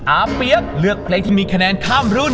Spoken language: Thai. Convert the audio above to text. เปี๊ยกเลือกเพลงที่มีคะแนนข้ามรุ่น